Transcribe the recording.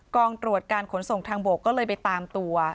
กองตรวจการขนส่งทางบกก็เลยไปตามตัว